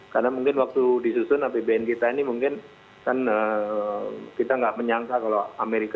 karena mungkin waktu disusun apbn kita ini mungkin kan kita tidak menyangka kalau amerika